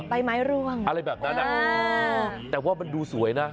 ใบไม้ร่วงอะไรแบบนั้นแต่ว่ามันดูสวยนะ